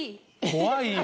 怖いよ。